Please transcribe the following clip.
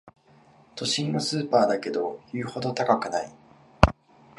都心のスーパーだけど言うほど高くない